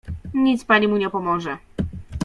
"Nic pani mu nie pomoże."